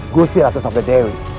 gusti ratu sabda dewi